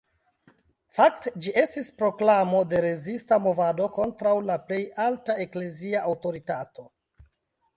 Fakte ĝi estis proklamo de rezista movado kontraŭ la plej alta eklezia aŭtoritato.